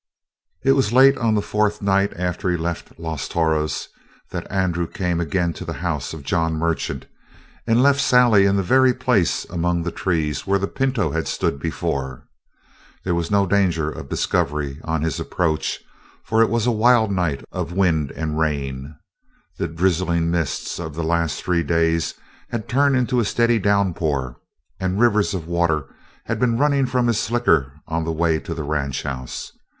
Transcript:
It was late on the fourth night after he left Los Toros that Andrew came again to the house of John Merchant and left Sally in the very place among the trees where the pinto had stood before. There was no danger of discovery on his approach, for it was a wild night of wind and rain. The drizzling mists of the last three days had turned into a steady downpour, and rivers of water had been running from his slicker on the way to the ranch house.